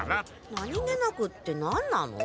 何気なくって何なの？